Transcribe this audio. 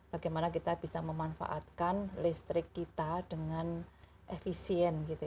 bagaimana kita bisa memanfaatkan listrik kita dengan efisien gitu